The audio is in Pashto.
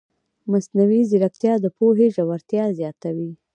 مصنوعي ځیرکتیا د پوهې ژورتیا زیاتوي.